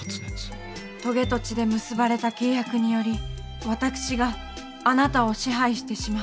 とげと血で結ばれた契約により私があなたを支配してしまう。